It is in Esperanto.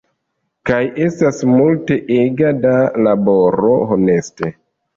Kaj estas multe ega da laboro, honeste.